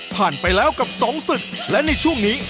ไปแล้วกับสองศึกและในช่วงนี้